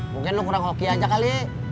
mungkin lu kurang hoki aja kali